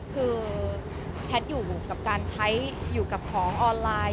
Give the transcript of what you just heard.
คือแพทย์อยู่กับการใช้อยู่กับของออนไลน์